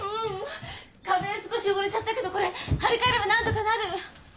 壁は少し汚れちゃったけどこれ張り替えればなんとかなる！